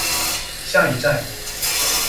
下一站